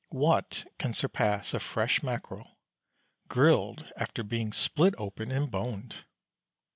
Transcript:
What can surpass a fresh mackerel, grilled after being split open and boned?